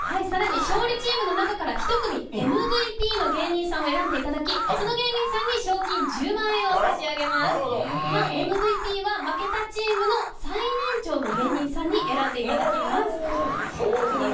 さらに勝利チームの中から１組ＭＶＰの芸人さんを選んでいただきその芸人さんに賞金１０万円を差し上げますなおＭＶＰは負けたチームの最年長の芸人さんに選んでいただきます